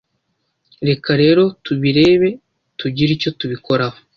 Reka rero tubirebe tugire icyo tubikoraho